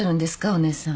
お姉さん。